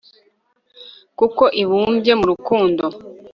kuko ibumbye mu rukundo